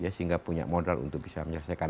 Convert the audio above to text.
sehingga punya modal untuk bisa menyelesaikan